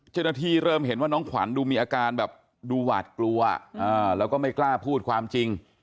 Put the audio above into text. เจ้าหน้าที่เริ่มเห็นว่าน้องขวัญดูมีอาการแบบดูหวาดกลัวแล้วก็ไม่กล้าพูดความจริง